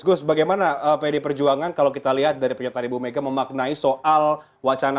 gus bagaimana pdi perjuangan kalau kita lihat dari pernyataan ibu mega memaknai soal wacana